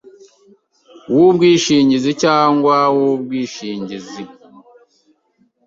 w ubwishingizi cyangwa uw ubwibishingizi